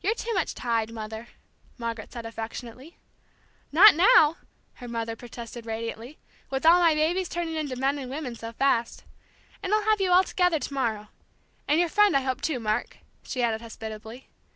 "You're too much tied, Mother," Margaret said affectionately. "Not now!" her mother protested radiantly. "With all my babies turning into men and women so fast. And I'll have you all together to morrow and your friend I hope, too, Mark," she added hospitably.